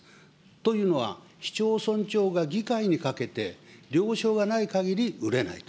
というのは、市町村長が議会にかけて、了承がないかぎり売れないと。